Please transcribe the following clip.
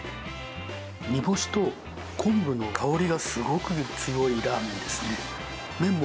煮干しと昆布の香りがすごく強いラーメンですね。